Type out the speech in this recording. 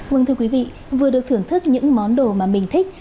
vâng thưa quý vị vừa được thưởng thức những món đồ mà mình thích